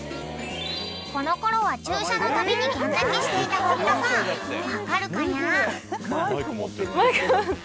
［このころは注射のたびにギャン泣きしていた堀田さん分かるかにゃ？］え？